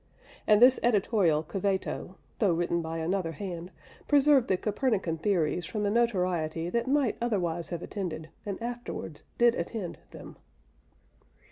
And this editorial caveto, though written by another hand, preserved the Copernican theories from the notoriety that might otherwise have attended, and afterwards did attend, them.